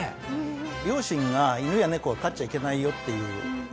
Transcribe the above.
両親が犬や猫は飼っちゃいけないよっていう家だったので。